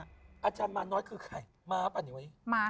อาจารย์มารน้อยคือใครมาหรอป่านอยู่ไหน